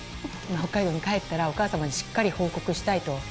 北海道に帰ったらお母様にしっかり報告したいと。